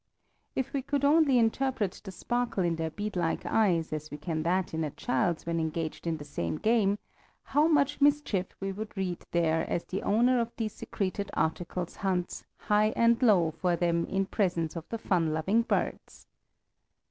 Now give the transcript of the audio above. If we could only interpret the sparkle in their bead like eyes, as we can that in a child's when engaged in the same game, how much mischief we would read there as the owner of these secreted articles hunts "high and low" for them in presence of the fun loving birds!